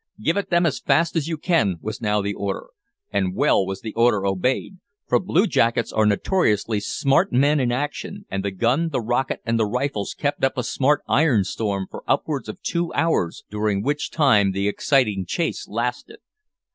"Give it them as fast as you can," was now the order; and well was the order obeyed, for blue jackets are notoriously smart men in action, and the gun, the rocket, and the rifles kept up a smart iron storm for upwards of two hours, during which time the exciting chase lasted.